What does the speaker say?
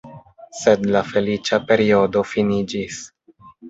Sed la feliĉa periodo finiĝis.